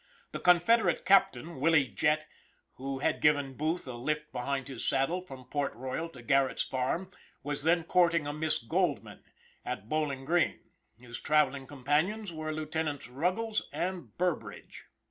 The confederate captain, Willie Jett, who had given Booth a lift behind his saddle from Port Royal to Garrett's farm, was then courting a Miss Goldmann at Bowling Green; his traveling companions were Lieutenants Ruggles and Burbridge.